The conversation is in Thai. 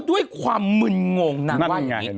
ด้วยความมึนงงนางว่าอย่างนี้